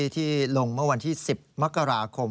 ที่ลงเมื่อวันที่๑๐มกราคม